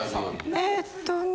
えっとね。